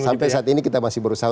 sampai saat ini kita masih berusaha